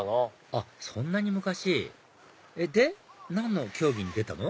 あっそんなに昔で何の競技に出たの？